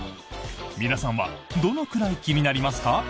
皆さんはどのくらい気になりますか？